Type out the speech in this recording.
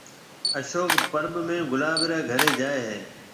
اشوڪ پرٻ ۾ گلاب رَي گھرَي جائيَ ھيََََ